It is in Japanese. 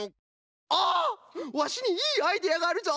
ワシにいいアイデアがあるぞ！